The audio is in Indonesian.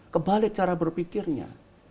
kebalik cara berpikirnya